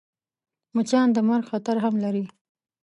مچان د مرګ خطر هم لري